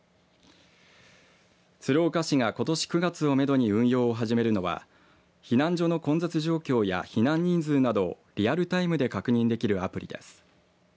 鶴岡市が、ことし９月をめどに運用を始めるのは避難所の混雑状況や避難人数などリアルタイムで確認できるアプリです。